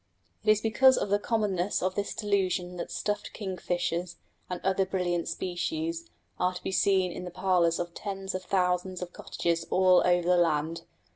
It is because of the commonness of this delusion that stuffed kingfishers, and other brilliant species, are to be seen in the parlours of tens of thousands of cottages all over the land.